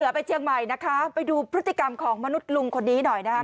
ไปเชียงใหม่นะคะไปดูพฤติกรรมของมนุษย์ลุงคนนี้หน่อยนะคะ